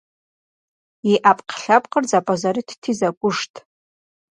И Ӏэпкълъэпкъыр зэпӀэзэрытти, зэкӀужт.